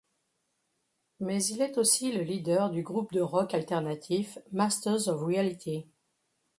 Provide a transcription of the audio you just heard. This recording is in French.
Mais il est aussi le leader du groupe de rock alternatif Masters of Reality.